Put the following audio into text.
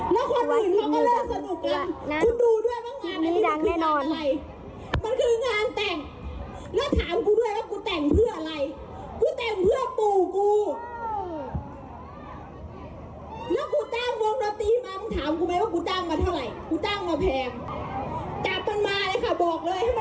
สวัสดีครับคุณผู้ชมดูตอนที่ดูตอนที่